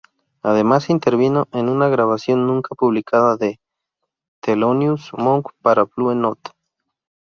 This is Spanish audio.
Además intervino en una grabación nunca publicada de Thelonious Monk para Blue Note.